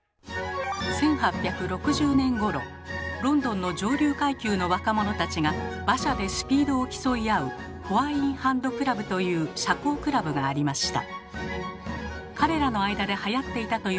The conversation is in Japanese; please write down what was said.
１８６０年ごろロンドンの上流階級の若者たちが馬車でスピードを競い合う「フォアインハンドクラブ」という社交クラブがありました。